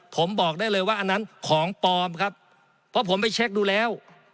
ผมบอกได้เลยว่าอันนั้นของปลอมครับเพราะผมไปเช็คดูแล้ว